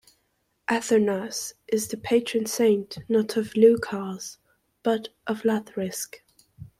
Athernase is the patron saint not of Leuchars but of Lathrisk.